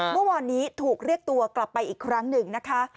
เมื่อวานนี้ถูกเรียกตัวกลับไปอีกครั้งหนึ่งนะคะ